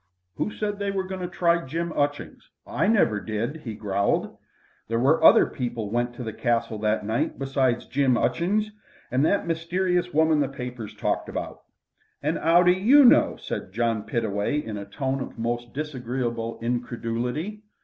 "Who said as they were goin' to try Jim 'Utchings? I never did," he growled. "There was other people went to the Castle that night besides Jim 'Utchings, and that mysterierse woman the papers talked about." "An' 'ow do you know?" said John Pittaway in a tone of most disagreeable incredulity.